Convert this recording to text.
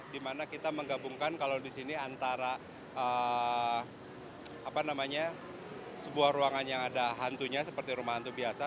dimana kita menggabungkan kalau di sini antara sebuah ruangan yang ada hantunya seperti rumah hantu biasa